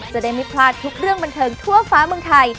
จะได้ไม่พลาดทุกเรื่องบันเทิงทั่วฟ้าเมืองไทย